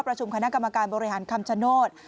คณะกรรมการบริหารคำชโนธ